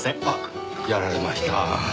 あっやられました。